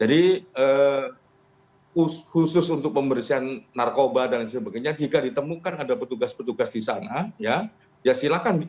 jadi khusus untuk pembersihan narkoba dan sebagainya jika ditemukan ada petugas petugas di sana ya silakan